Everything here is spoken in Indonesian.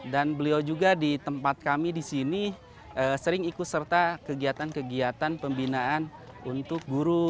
dan beliau juga di tempat kami di sini sering ikut serta kegiatan kegiatan pembinaan untuk guru